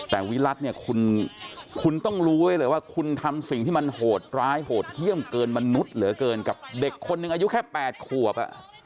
แต่วิรัติเนี่ยคุณต้องรู้ไว้เลยว่าคุณทำสิ่งที่มันโหดร้ายโหดเยี่ยมเกินมนุษย์เหลือเกินกับเด็กคนหนึ่งอายุแค่๘ขวบ